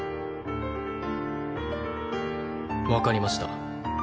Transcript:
わかりました。